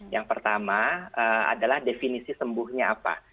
yang pertama adalah definisi sembuhnya apa